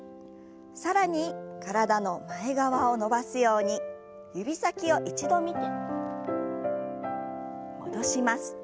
更に体の前側を伸ばすように指先を一度見て戻します。